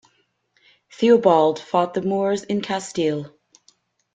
Theobald fought the Moors in Castile.